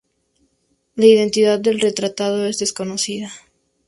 La identidad del retratado es desconocida.